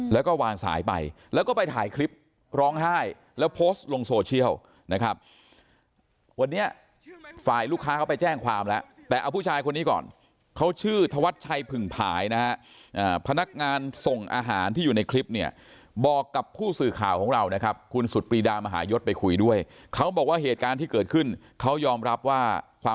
แล้วก็วางสายไปแล้วก็ไปถ่ายคลิปร้องไห้แล้วโพสต์ลงโซเชียลนะครับวันนี้ฝ่ายลูกค้าเขาไปแจ้งความแล้วแต่เอาผู้ชายคนนี้ก่อนเขาชื่อธวัชชัยผึ่งผายนะฮะพนักงานส่งอาหารที่อยู่ในคลิปเนี่ยบอกกับผู้สื่อข่าวของเรานะครับคุณสุดปรีดามหายศไปคุยด้วยเขาบอกว่าเหตุการณ์ที่เกิดขึ้นเขายอมรับว่าความ